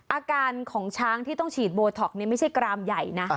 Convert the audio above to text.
อาการของช้างที่ต้องฉีดโบท็อกนี่ไม่ใช่กรามใหญ่นะ